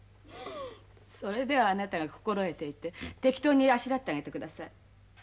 それではあなたが心得ていて適当にあしらってあげてください。